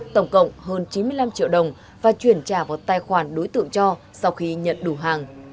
tổng cộng hơn chín mươi năm triệu đồng và chuyển trả vào tài khoản đối tượng cho sau khi nhận đủ hàng